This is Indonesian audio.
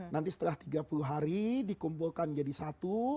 nanti setelah tiga puluh hari dikumpulkan jadi satu